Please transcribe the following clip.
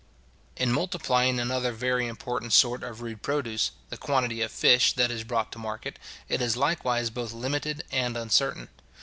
In multiplying another very important sort of rude produce, the quantity of fish that is brought to market, it is likewise both limited and uncertain.